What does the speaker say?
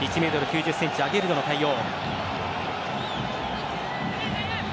１ｍ９０ｃｍ、アゲルドの対応。